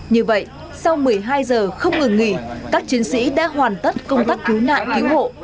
như vậy sau một mươi hai giờ không ngừng nghỉ các chiến sĩ đã hoàn tất công tác cứu nạn cứu hộ